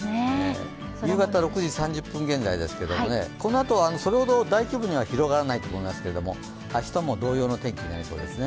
夕方６時３０分現在ですけれどもこのあと、それほど大規模には広がらないと思いますけど明日も同様の天気になりそうですね。